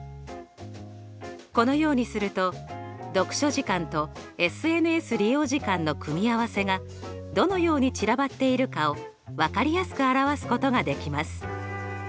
このようにすると読書時間とＳＮＳ利用時間の組み合わせがどのように散らばっているかを分かりやすく表すことができます。